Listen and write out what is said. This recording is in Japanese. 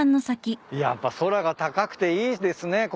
やっぱ空が高くていいですね